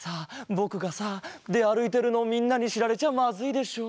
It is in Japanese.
ぼくがさであるいてるのをみんなにしられちゃまずいでしょう。